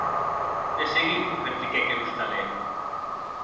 De seguit, repliquèc er ostalèr.